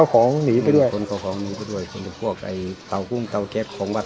ของของนี้ก็ด้วยคือพวกไอ้เต่ากุ้มเต่าเก็บของวัด